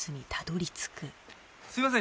すいません